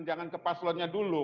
jangan ke paslonnya dulu